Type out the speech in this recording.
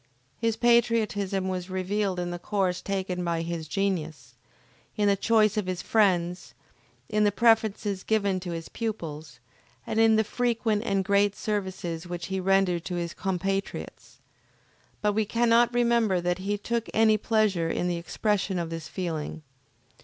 His patriotism was revealed in the course taken by his genius, in the choice of his friends, in the preferences given to his pupils, and in the frequent and great services which he rendered to his compatriots; but we cannot remember that he took any pleasure in the expression of this feeling.